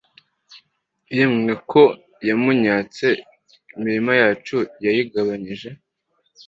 yemwe ko yawunyatse imirima yacu yayigabanyije